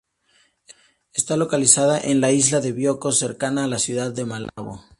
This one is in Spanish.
Está localizada en la isla de Bioko, cercana a la ciudad de Malabo.